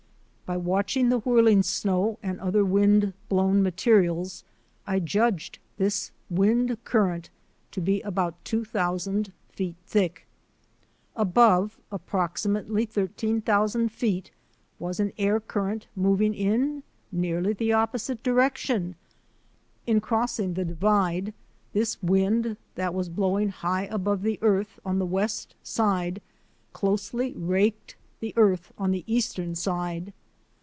By watching the whirling snow and other wind blown materials, I judged this wind current to be about two thousand feet thick. Above, approximately thirteen thou sand feet, was an air current moving in nearly the opposite direction. In crossing the Divide this wind that was blowing high above the earth on the west side closely raked the earth on the eastern side.